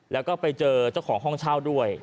แล้วก็ไปเจอเจ้าของห้องเช่าด้วย